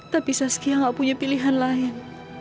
tapi saskia gak punya pilihan lain